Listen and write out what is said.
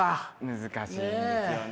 難しいんですよね。